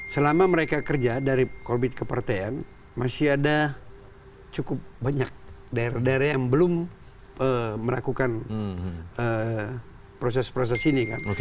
selama mereka kerja dari korbit kepertean masih ada cukup banyak daerah daerah yang belum melakukan proses proses ini kan